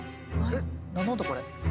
えっ何の音これ？